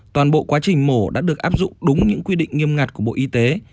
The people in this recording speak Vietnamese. toàn bộ quá trình mổ đã được áp dụng đúng những quy định nghiêm ngặt của bộ y tế